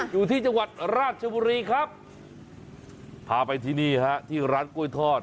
อยู่ที่จังหวัดราชบุรีครับพาไปที่นี่ฮะที่ร้านกล้วยทอด